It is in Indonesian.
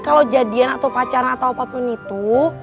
kalau jadian atau pacaran atau apapun itu